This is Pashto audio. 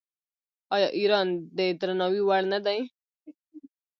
آیا ایران د درناوي وړ نه دی؟